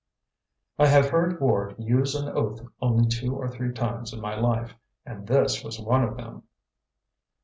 I have heard Ward use an oath only two or three times in my life, and this was one of them.